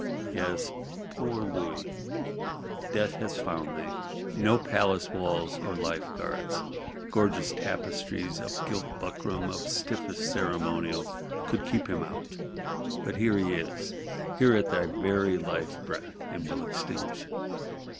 Yes, poor Louis, Death has found thee. No palace walls or life guards, gorgeous tapestries or gilt buckram of stiffest ceremonial could keep him out; but he is here, here at thy very life breath, and will extinguish it.